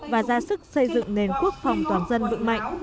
và ra sức xây dựng nền quốc phòng toàn dân vững mạnh